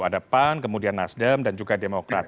ada pan kemudian nasdem dan juga demokrat